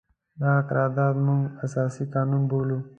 دغه قرارداد موږ اساسي قانون بولو.